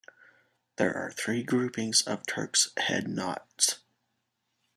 There are three groupings of Turk's head knots.